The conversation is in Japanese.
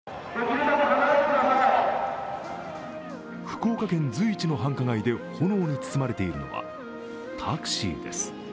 福岡県随一の繁華街で炎に包まれているのはタクシーです。